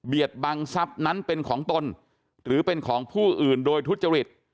บังทรัพย์นั้นเป็นของตนหรือเป็นของผู้อื่นโดยทุจริต